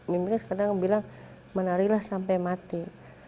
mimpinya kadang bilang menarilah sampai mati